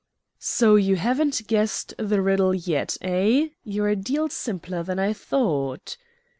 "So you haven't guessed the riddle yet, eh? You're a deal simpler than I thought."